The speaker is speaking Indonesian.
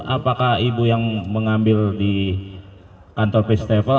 apakah ibu yang mengambil di kantor festival